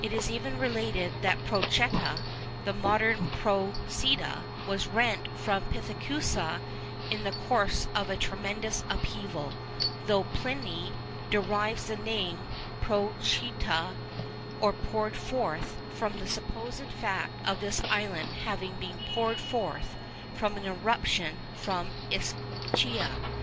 It is even related that Prochyta (the modern Procida) was rent from Pithecusa in the course of a tremendous upheaval, though Pliny derives the name Prochyta (or 'poured forth') from the supposed fact of this island having been poured forth by an eruption from Ischia.